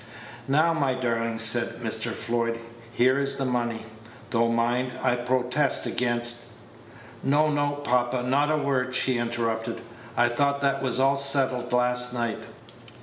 "Now, my darling," said Mr. Floyd, "here is the money. Though, mind, I protest against " "No, no, papa, not a word," she interrupted; "I thought that was all settled last night."